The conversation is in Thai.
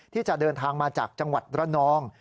ที่จะเดินทางมาจากจังหวัดระนอง